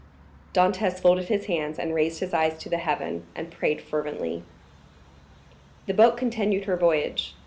Dantès folded his hands, raised his eyes to heaven, and prayed fervently. 0111m The boat continued her voyage.